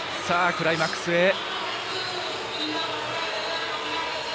さあ、クライマックスへ！